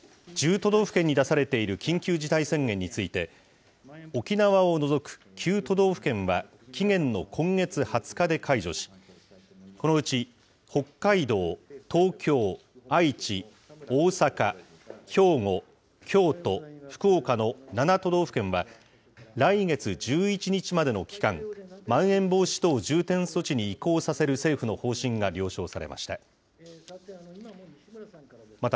都道府県に出されている緊急事態宣言について、沖縄を除く９都道府県は期限の今月２０日で解除し、このうち北海道、東京、愛知、大阪、兵庫、京都、福岡の７都道府県は、来月１１日までの期間、まん延防止等重点措置に移行させる政府の方針が了承されました。